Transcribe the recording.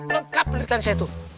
lengkap penelitian saya tuh